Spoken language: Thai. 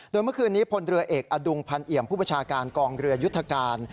โดยเมื่อคืนนี้พลเรือเอกอดุงพันเอี่ยมผู้ประชาการกองเรือยุทธการ